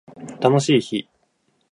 楽しい日